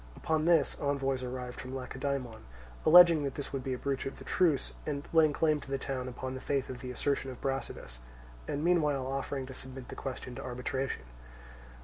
Upon this, envoys arrived from Lacedaemon, alleging that this would be a breach of the truce, and laying claim to the town upon the faith of the assertion of Brasidas, and meanwhile offering to submit the question to arbitration.